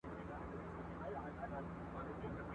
په هر موج کې سيلابونه ..